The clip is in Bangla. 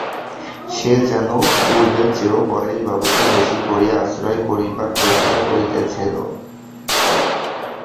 সে যেন পূর্বের চেয়েও পরেশবাবুকে বেশি করিয়া আশ্রয় করিবার চেষ্টা করিতেছিল।